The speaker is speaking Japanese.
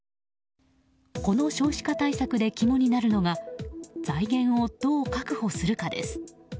この少子化対策で肝になるのが財源をどう確保するかです。